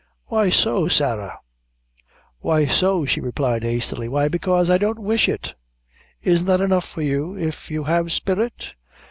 "Why so, Sarah?" "Why so," she replied, hastily; "why, bekaise I don't wish it isn't that enough for you, if you have spirit?"